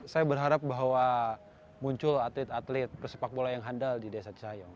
saya berharap bahwa muncul atlet atlet persepak bola yang handal di desa cisayong